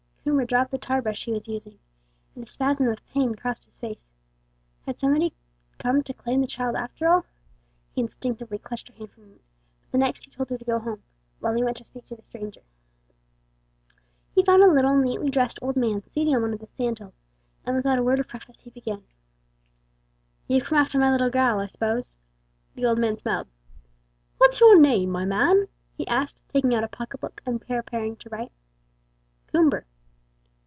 Coomber dropped the tar brush he was using, and a spasm of pain crossed his face. Had somebody come to claim the child after all? He instinctively clutched her hand for a minute, but the next he told her to go home, while he went to speak to the stranger. He found a little, neatly dressed old man seated on one of the sandhills, and without a word of preface he began: "You've come after my little gal, I s'pose?" The old man smiled. "What's your name, my man?" he said, taking out a pocket book, and preparing to write. "Coomber."